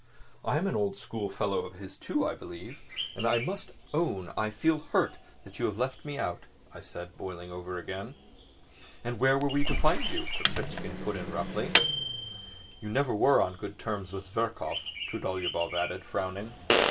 I am an old schoolfellow of his, too, I believe, and I must own I feel hurt that you have left me out," I said, boiling over again. "And where were we to find you?" Ferfitchkin put in roughly. "You never were on good terms with Zverkov," Trudolyubov added, frowning.